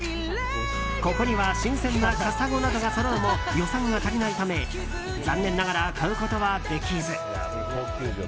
ここには新鮮なカサゴなどがそろうも予算が足りないため残念ながら買うことはできず。